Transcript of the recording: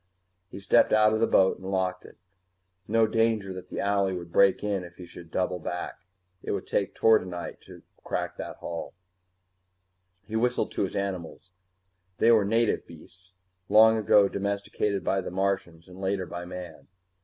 He stepped out of the boat and locked it. No danger that the owlie would break in if he should double back; it would take tordenite to crack that hull. He whistled to his animals. They were native beasts, long ago domesticated by the Martians and later by man.